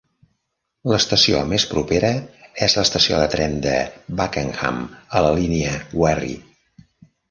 L'estació més propera és l'estació de tren de Buckenham, a la línia Wherry.